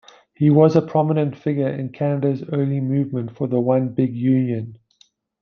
He was a prominent figure in Canada's early movement for the One Big Union.